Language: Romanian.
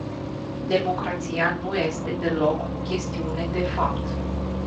Democrația nu este deloc o chestiune de fapt.